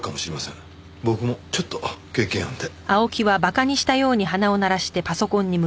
僕もちょっと経験あるんで。